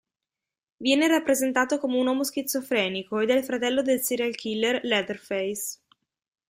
Viene rappresentato come un uomo schizofrenico ed è il fratello del serial killer Leatherface.